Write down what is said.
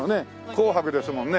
紅白ですもんね。